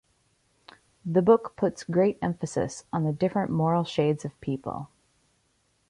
The book puts great emphasis on the different moral shades of people.